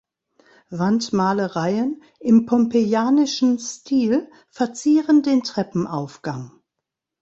Wandmalereien im pompejanischen Stil verzieren den Treppenaufgang.